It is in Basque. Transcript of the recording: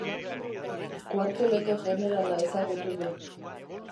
Kuarteleko jenerala ezagutu du.